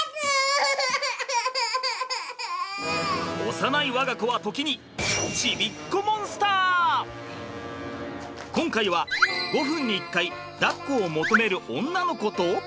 幼い我が子は時に今回は５分に一回だっこを求める女の子と。